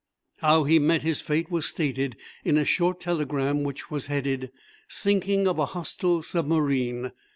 How he met his fate was stated in a short telegram which was headed "Sinking of a Hostile Submarine."